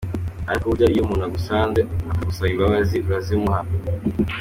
Ariko burya iyo umuntu agusanze akagusaba imbabazi urazimuha.